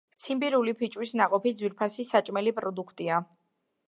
ციმბირული ფიჭვის ნაყოფი ძვირფასი საჭმელი პროდუქტია.